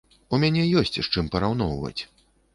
У мяне ёсць, з чым параўноўваць.